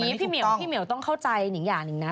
คืออย่างนี้พี่เหมียวต้องเข้าใจอย่างหนึ่งนะ